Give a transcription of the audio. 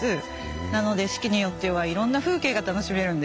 なので四季によってはいろんな風景が楽しめるんですよ。